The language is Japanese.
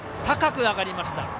高く上がりました。